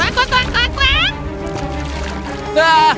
pak pak pak pak pak